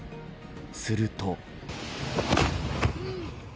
すると。